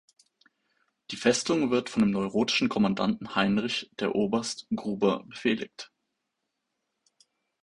Die Festung wird von dem neurotischen Kommandanten Heinrich "der Oberst" Gruber befehligt.